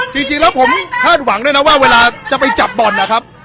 จริงแล้วผมคาดหวังด้วยนะว่าเวลาจะไปจับบ่อนนะครับ